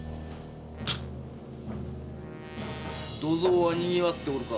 土蔵は賑わっておるか？